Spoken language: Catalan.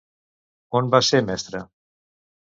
On va ser mestra?